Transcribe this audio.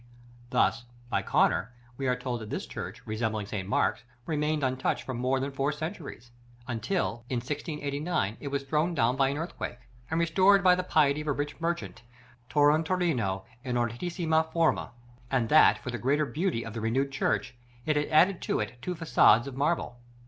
§ V. Thus, by Corner, we are told that this church, resembling St. Mark's, "remained untouched for more than four centuries," until, in 1689, it was thrown down by an earthquake, and restored by the piety of a rich merchant, Turrin Toroni, "in ornatissima forma;" and that, for the greater beauty of the renewed church, it had added to it two façades of marble.